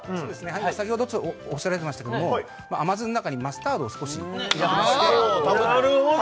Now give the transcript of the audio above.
先ほどちょっとおっしゃられてましたけれども甘酢の中にマスタードを少し入れてましてなるほど！